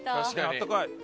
あったかい。